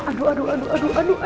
aduh aduh aduh aduh aduh